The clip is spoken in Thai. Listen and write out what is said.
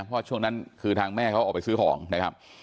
เพราะช่วงนั้นคือทางแม่เขาออกไปซื้อของนะครับ